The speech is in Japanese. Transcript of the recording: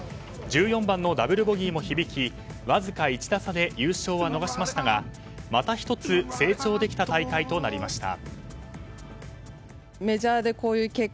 １４番のダブルボギーも響きわずか１打差で優勝は逃しましたがまた１つ成長できた大会となりました。